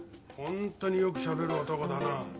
ほんとによく喋る男だな。